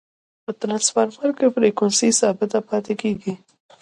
په ټرانسفرمر کی فریکوینسي ثابته پاتي کیږي.